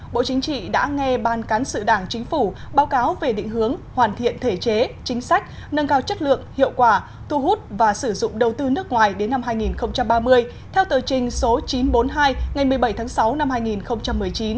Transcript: bộ chính trị đã nghe ban cán sự đảng chính phủ báo cáo về định hướng hoàn thiện thể chế chính sách nâng cao chất lượng hiệu quả thu hút và sử dụng đầu tư nước ngoài đến năm hai nghìn ba mươi theo tờ trình số chín trăm bốn mươi hai ngày một mươi bảy tháng sáu năm hai nghìn một mươi chín